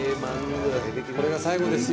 これが最後ですよ